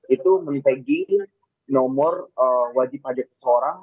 itu mempegi nomor wajib pajak seseorang